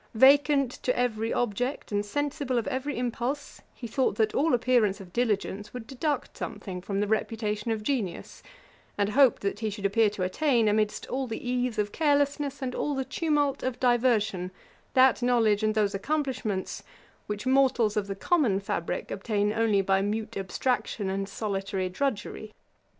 Vacant to every object, and sensible of every impulse, he thought that all appearance of diligence would deduct something from the reputation of genius; and hoped that he should appear to attain, amidst all the ease of carelessness, and all the tumult of diversion, that knowledge and those accomplishments which mortals of the common fabrick obtain only by mute abstraction and solitary drudgery.